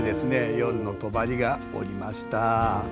夜のとばりがおりました。